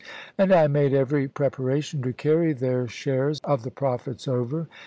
And I made every preparation to carry their shares of the profits over.